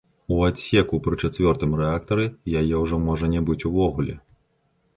У адсеку пры чацвёртым рэактары яе ўжо можа не быць увогуле.